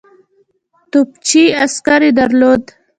توپچي عسکر یې درلودل.